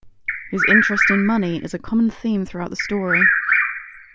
His interest in money is a common theme throughout the story.